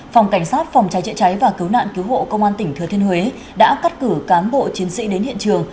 phòng cảnh sát phòng trái trị trái và cứu nạn cứu hộ công an tỉnh thừa thiên huế đã cắt cử cán bộ chiến sĩ đến hiện trường